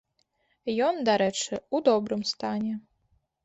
Ён, дарэчы, у добрым стане.